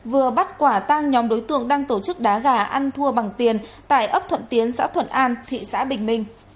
vừa bắt quả tăng nhóm đối tượng đang tổ chức đá gà ăn thua bằng tiền tại ấp thuận tiến xã thuận an tp hcm